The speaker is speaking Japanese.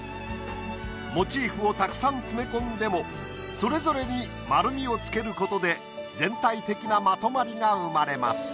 モチーフをたくさん詰め込んでもそれぞれに丸みをつけることで全体的なまとまりが生まれます。